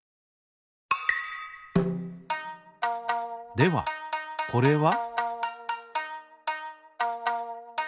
ではこれは？